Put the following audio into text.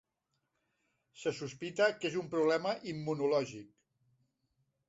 Se sospita que és un problema immunològic.